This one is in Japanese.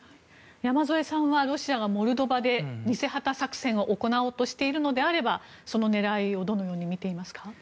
山添さんはロシアがモルドバで偽旗作戦を行おうとしているのであればその狙いをどのように見ていますか？